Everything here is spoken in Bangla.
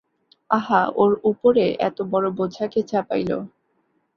আহা, ওর উপরে এতবড়ো বোঝা কে চাপাইল!